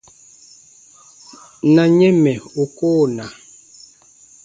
Na yɛ̃ mɛ̀ u koo na.